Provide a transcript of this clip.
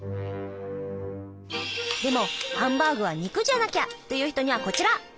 でもハンバーグは肉じゃなきゃ！という人にはこちら！